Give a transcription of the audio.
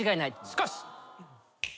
しかし。